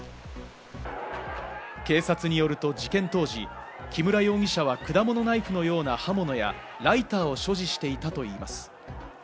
警察によると事件当時、木村容疑者は果物ナイフのような刃物やライターを所持していたといいます。